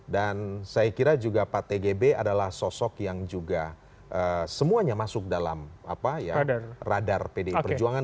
dan saya kira juga pak tgb adalah sosok yang juga semuanya masuk dalam radar pdi perjuangan